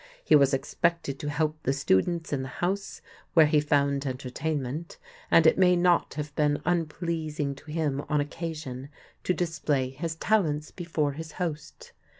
He was expected to help the students in the house where he found entertainment, and it may not have been unpleasing to him on occasion to display his talents before his host.